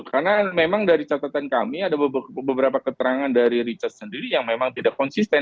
karena memang dari catatan kami ada beberapa keterangan dari richard sendiri yang memang tidak konsisten